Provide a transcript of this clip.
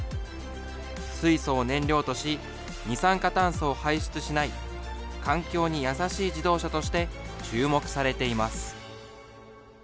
水素を燃料とし、二酸化炭素を排出しない、環境に優しい自動車として注目されています。